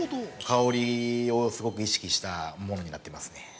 香りをすごく意識したもんになってますね。